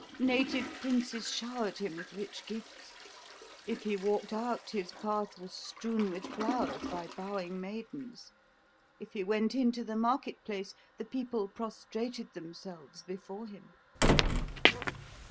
Native princes showered him with rich gifts; if he walked out, his path was strewn with flowers by bowing maidens; if he went into the market place, the people prostrated themselves before him.